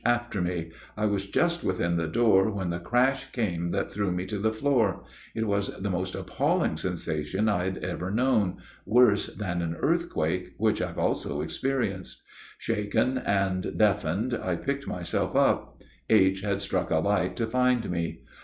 after me. I was just within the door when the crash came that threw me to the floor. It was the most appalling sensation I'd ever known worse than an earthquake, which I've also experienced. Shaken and deafened, I picked myself up; H. had struck a light to find me.